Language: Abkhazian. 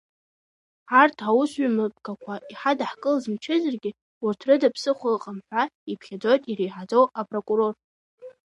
Арҭ аусмҩаԥгатәқәа иҳадаҳкылаз мчызаргьы, урҭ рыда ԥсыхәа ыҟам, ҳәа иԥхьаӡоит Иреиҳаӡоу апрокурор.